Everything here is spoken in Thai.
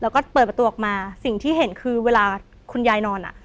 แล้วก็เปิดประตูออกมาสิ่งที่เห็นคือเวลาคุณยายนอนอ่ะ